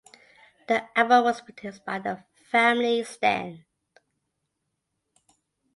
The album was produced by the Family Stand.